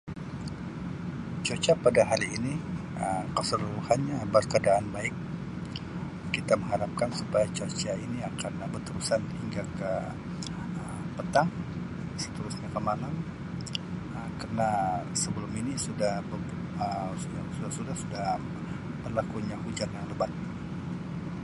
Cuaca pada hari ini Um keseluruhanya berkeadaan baik kita mengharapkan supaya cuaca ini akan berterusan hingga ke Um petang seterusnya ke malam kerna sebelum ini Um suda Um suda-suda-suda-suda berlakunya hujan yang lebat.